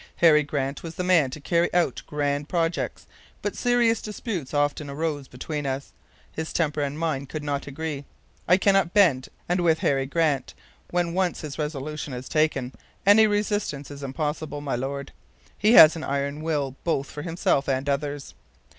Harry Grant was the man to carry out grand projects, but serious disputes often arose between us. His temper and mine could not agree. I cannot bend, and with Harry Grant, when once his resolution is taken, any resistance is impossible, my Lord. He has an iron will both for himself and others.